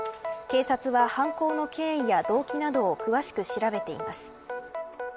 警察は、犯行の経緯や動機などを詳しく調べています。